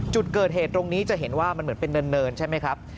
จุดเกิดเหตุตรงนี้จะเห็นว่ามันเหมือนเป็นเนินใช่ไหมครับ